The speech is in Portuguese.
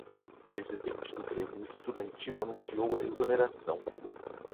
o presidente do grêmio estudantil anunciou a exoneração